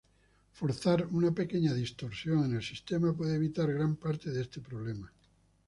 Forzar una pequeña distorsión en el sistema puede evitar gran parte de este problema.